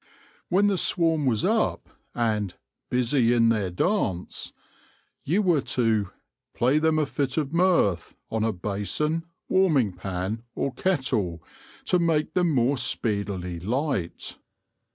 When the swarm was up, and " busie in their dance," you were to " play them a fit of mirth on a Bason, Warming pan or Kettle, to make them more speedily light."